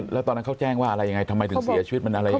แล้วตอนนั้นเขาแจ้งว่าอะไรยังไงทำไมถึงเสียชีวิตมันอะไรยังไง